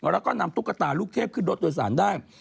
แล้วก็นำตุ๊กตาลูกเทพขึ้นรถโดยสารได้